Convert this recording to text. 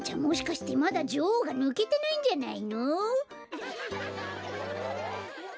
もしかしてまだじょおうがぬけてないんじゃないの？